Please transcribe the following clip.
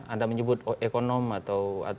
anda menyebut ekonom atau